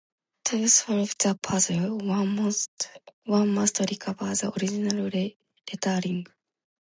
To solve the puzzle, one must recover the original lettering.